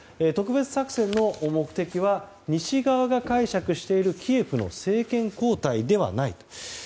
特別作戦の目的は西側が解釈している、キエフの政権交代ではない。